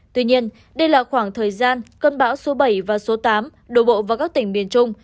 tuy nhiên đây là khoảng thời gian cơn bão số bảy và số tám đổ bộ vào các tỉnh miền trung